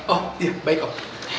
oh iya baik om